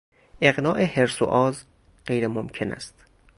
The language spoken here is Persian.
اقناع حرص و آز غیرممکن است.